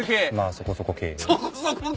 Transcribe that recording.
そこそこ系だ！